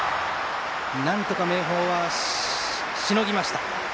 なんとか明豊はしのぎました。